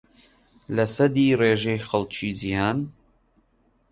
لەسەدی ڕێژەی خەڵکی جیھان